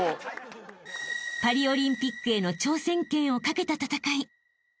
［パリオリンピックへの挑戦権をかけた戦い］